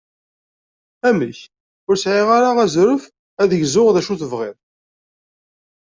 Amek! Ur sɛiɣ ara azref ad gzuɣ d acu tebɣiḍ?